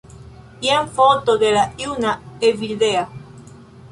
Jen foto de la juna Evildea